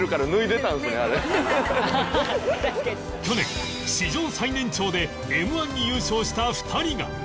去年史上最年長で Ｍ−１ に優勝した２人が